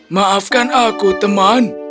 maafkan aku teman